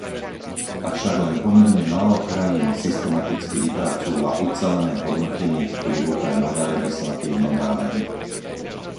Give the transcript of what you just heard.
Avšak len pomerne málo krajín systematicky vypracúva ucelené hodnotenie vplyvu pre nové legislatívne návrhy.